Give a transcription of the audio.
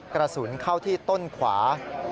กระสุนเข้าที่ต้นขวา